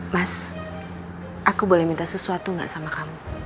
mas aku boleh minta sesuatu nggak sama kamu